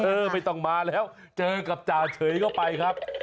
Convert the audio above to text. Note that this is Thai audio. ไม่ต้องมาแล้วเจอกับจ่าเฉยก็ไปครับ